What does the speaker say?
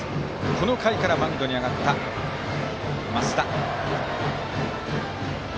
この回からマウンドに上がった増田。